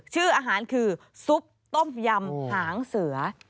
ชื่ออาหารคือซุปต้มยำหางเสือ